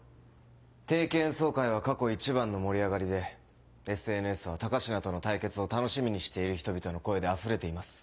定期演奏会は過去一番の盛り上がりでＳＮＳは高階との対決を楽しみにしている人々の声であふれています。